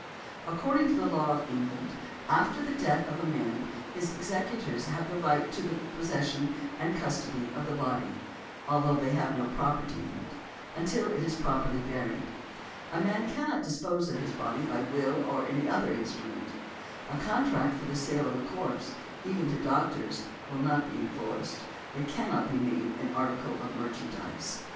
According to the law of England, after the death of a man, his executors have a right to the possession and custody of his body (although they have no property in it) until it is properly buried. A man cannot dispose of his body by will or any other instrument . A contract for the sale of a corpse, even to doctors, will not be enforced; it cannot be made an article of merchandise .